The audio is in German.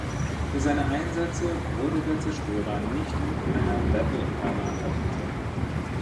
Für seine Einsätze wurde der Zerstörer nicht mit einer Battle Honour ausgezeichnet.